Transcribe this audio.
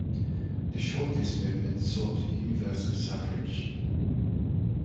The Chartist movement sought universal suffrage.